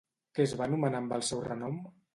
Què es va anomenar amb el seu renom?